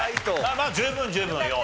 まあ十分十分４位。